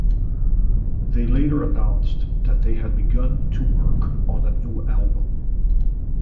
They later announced that they had begun to work on a new album.